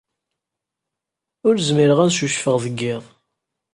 Ur zmireɣ ad ccucfeɣ deg yiḍ.